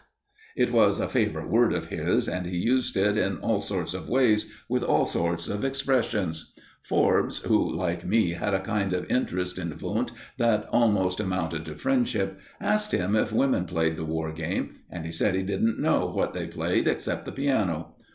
_" It was a favourite word of his, and he used it in all sorts of ways with all sorts of expressions. Forbes, who, like me, had a kind of interest in Wundt that almost amounted to friendship, asked him if women played the war game, and he said he didn't know what they played except the piano.